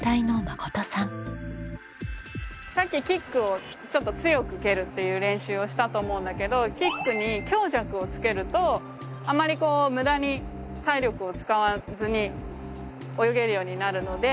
さっきキックをちょっと強く蹴るっていう練習をしたと思うんだけどキックに強弱をつけるとあまりこう無駄に体力を使わずに泳げるようになるので。